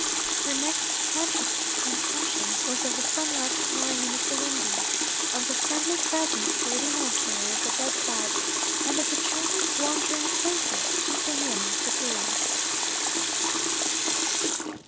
Her next conscious impression was of the sunlight pouring in at the window; of the friendly presence of Lady Montbarry at the bedside; and of the children's wondering faces peeping in at the door.